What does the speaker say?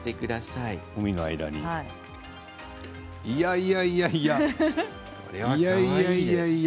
いやいや、いやいや。